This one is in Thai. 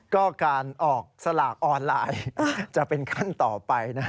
ก็การออกสลากออนไลน์จะเป็นขั้นต่อไป